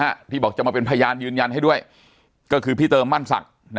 ที่บอกจะมาเป็นพยานยืนยันให้ด้วยก็คือพี่เติมมั่นศักดิ์